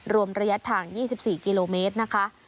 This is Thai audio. รวมระยะทาง๒๔กิโลเมตรนะคะ